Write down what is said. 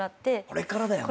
これからだよね。